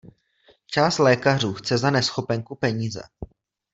Část lékařů chce za neschopenku peníze.